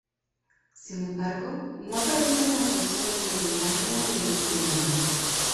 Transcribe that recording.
Sin embargo, no aparece en las versiones de Tailandia ni de Ceilán.